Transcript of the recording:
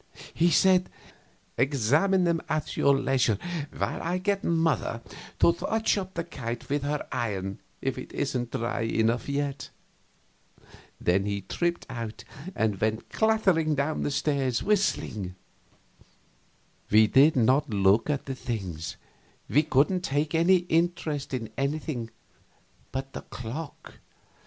He said: "Examine them at your leisure while I get mother to touch up the kite with her iron if it isn't dry enough yet." Then he tripped out and went clattering down stairs, whistling. We did not look at the things; we couldn't take any interest in anything but the clock.